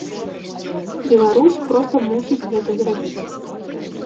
Беларусь проста мусіць гэта зрабіць.